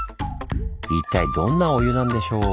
一体どんなお湯なんでしょう？